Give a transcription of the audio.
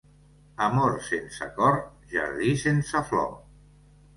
Amor sense cor, jardí sense flor.